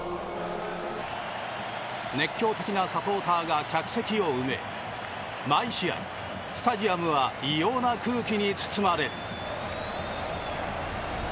熱狂的なサポーターが客席を埋め毎試合、スタジアムは異様な空気に包まれる。